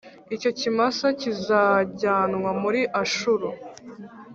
Icyo kimasa kizajyanwa muri Ashuru,